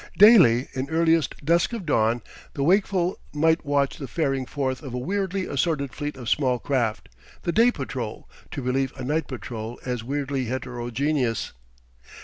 Daily, in earliest dusk of dawn, the wakeful might watch the faring forth of a weirdly assorted fleet of small craft, the day patrol, to relieve a night patrol as weirdly heterogeneous.